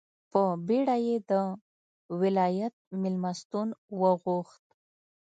په بېړه یې د ولایت مېلمستون وغوښت.